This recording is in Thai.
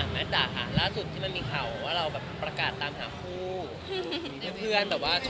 มีนิทัศกาลภาพถ่ายจากศิลปิศหลายท่านค่ะ